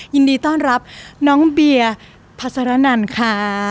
ยินดีต้อนรับน้องเบียร์พัสรนันค่ะ